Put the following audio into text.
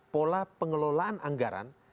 pola pengelolaan anggaran